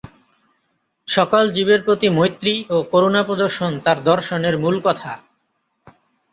সকল জীবের প্রতি মৈত্রী ও করুণা প্রদর্শন তাঁর দর্শনের মূল কথা।